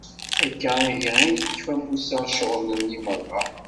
Akka ihi i yekfa Musa ccɣel-nni meṛṛa.